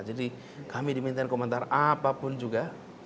jadi kami diminta komentar apapun juga